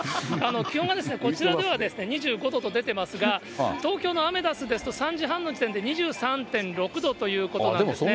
気温がこちらでは２５度と出てますが、東京のアメダスですと３時半の時点で２３．６度ということなんですね。